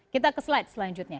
kita ke slide selanjutnya